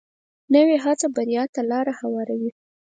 نوې هڅه بریا ته لار هواروي